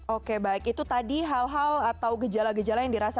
oke baik itu tadi hal hal atau gejala gejala yang dirasakan